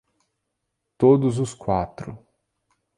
Todos os quatro